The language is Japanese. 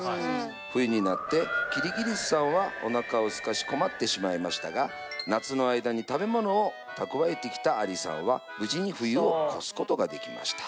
冬になってキリギリスさんはおなかをすかし困ってしまいましたが夏の間に食べ物を蓄えてきたアリさんは無事に冬を越すことができました。